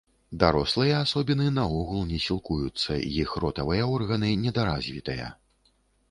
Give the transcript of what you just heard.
Дарослыя асобіны наогул не сілкуюцца, іх ротавыя органы недаразвітыя.